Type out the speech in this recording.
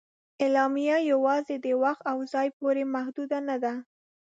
اعلامیه یواځې د وخت او ځای پورې محدود نه ده.